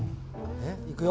えっいくよ？